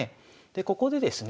ここでですね